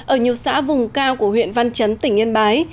ở nhiều xã vùng cao của huyện văn chấn tỉnh yên bái